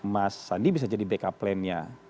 mas sandi bisa jadi backup plan nya